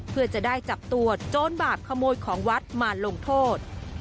เพื่อจะได้จับตัวโจรบาปขโมยของวัดมาลงโทษ